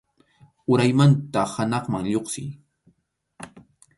Uraymanta hanaqman lluqsiy.